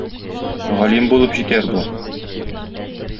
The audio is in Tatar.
Галим булып җитәр бу.